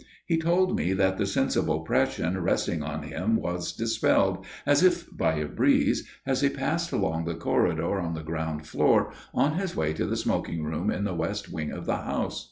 He told me that the sense of oppression resting on him was dispelled, as if by a breeze, as he passed along the corridor on the ground floor on his way to the smoking room in the west wing of the house.